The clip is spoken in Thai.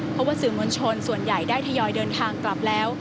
เพราะว่าสื่อมวลชนส่วนใหญ่ได้ทยอยเดินทางกลับแล้ว